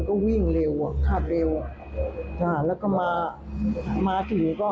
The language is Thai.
รถมันก็วิ่งเร็วอ่ะขับเร็วอ่าแล้วก็มามาถึงก็